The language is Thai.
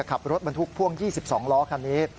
ขับรถบรรทุกพ่วง๒๒ล้อคันนี้